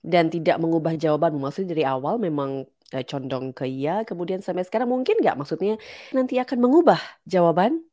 dan tidak mengubah jawabanmu maksudnya dari awal memang condong ke ya kemudian sampai sekarang mungkin nggak maksudnya nanti akan mengubah jawaban